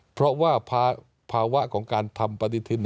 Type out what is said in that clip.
เพราะว่าภาวะของการทำปฏิทิน